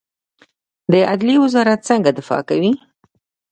د عدلیې وزارت څنګه دفاع کوي؟